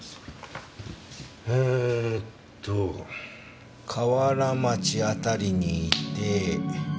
えっと河原町あたりにいて。